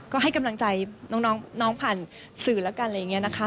ก็ให้กำลังใจน้องผ่านสื่อแล้วกันอะไรอย่างนี้นะคะ